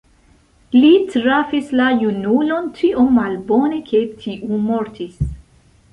Li trafis la junulon tiom malbone, ke tiu mortis.